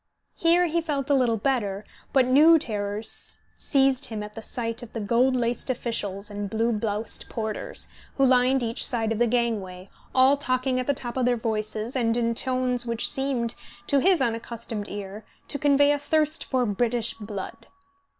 Here he felt a little better, but new terrors seized him at the sight of the gold laced officials and blue bloused porters, who lined each side of the gangway, all talking at the top of their voices, and in tones which seemed, to his unaccustomed ear, to convey a thirst for British blood.